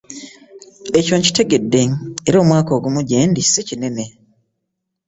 Ekyo nkitegedde era omwaka ogumu gyendi si kinene.